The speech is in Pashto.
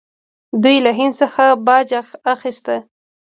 دوی له هند څخه باج اخیست